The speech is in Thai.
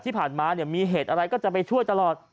ที่ผ่านมามีเหตุอะไรก็จะไปช่วยตลอด